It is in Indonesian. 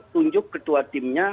tunjuk ketua timnya